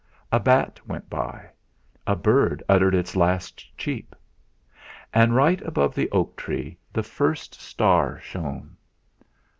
A bat went by. A bird uttered its last 'cheep.' And right above the oak tree the first star shone.